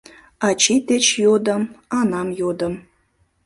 Ачий деч йодым, анам йодым